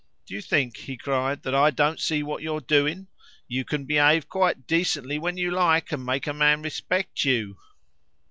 "Do you think," he cried, "that I don't see what you are doing? You can behave quite decently when you like, and make a man respect you."